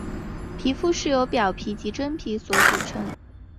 皮肤是由表皮及真皮所组成。